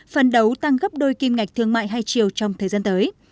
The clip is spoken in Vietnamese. phần đấu tăng gấp đôi kim ngạch thương mại hai chiều trong thời gian tới